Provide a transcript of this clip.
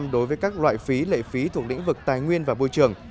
hai mươi đối với các loại phí lệ phí thuộc lĩnh vực tài nguyên và bôi trường